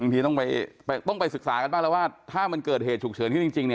บางทีต้องไปศึกษากันบ้างแล้วว่าถ้ามันเกิดเหตุฉุกเฉินที่จริง